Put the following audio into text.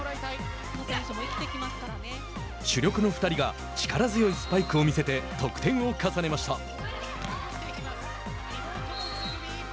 主力の２人が力強いスパイクを見せて得点を重ねました。